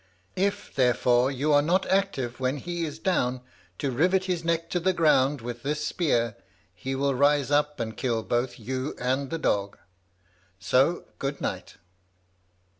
If, therefore, you are not active when he is down to rivet his neck to the ground with this spear, he will rise up and kill both you and the dog. So good night."